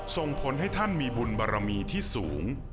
ส่งผลให้ท่านมีบุญบารมีที่สูง